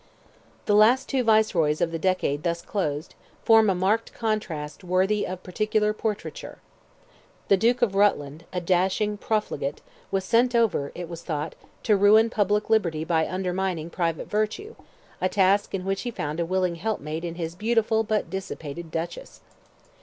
The last two Viceroys of the decade thus closed, form a marked contrast worthy of particular portraiture. The Duke of Rutland, a dashing profligate, was sent over, it was thought, to ruin public liberty by undermining private virtue, a task in which he found a willing helpmate in his beautiful but dissipated Duchess.